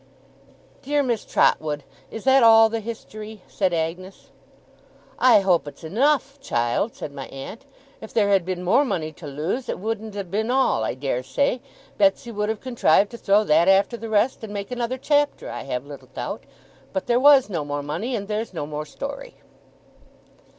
'Dear Miss Trotwood, is that all the history?' said Agnes. 'I hope it's enough, child,' said my aunt. 'If there had been more money to lose, it wouldn't have been all, I dare say. Betsey would have contrived to throw that after the rest, and make another chapter, I have little doubt. But there was no more money, and there's no more story.